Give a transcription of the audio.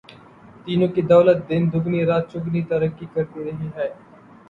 تینوں کی دولت دن دگنی رات چوگنی ترقی کرتی رہی ہے۔